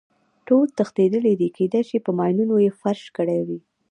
ټول تښتېدلي دي، کېدای شي په ماینونو یې فرش کړی وي.